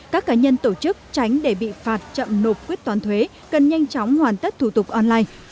các cá nhân tổ chức tránh để bị phạt chậm nộp quyết toán thuế cần nhanh chóng hoàn tất thủ tục online